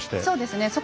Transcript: そうですね。